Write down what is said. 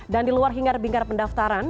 dan di luar hingar bingkar pendaftaran